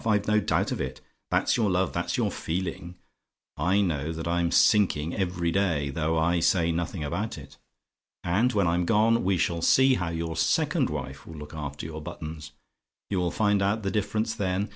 I've no doubt of it! That's your love that's your feeling! I know that I'm sinking every day, though I say nothing about it. And when I'm gone, we shall see how your second wife will look after your buttons. You'll find out the difference, then.